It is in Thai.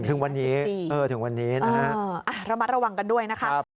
ถึงวันนี้ถึงวันนี้นะฮะระมัดระวังกันด้วยนะคะ